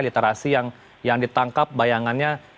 literasi yang ditangkap bayangannya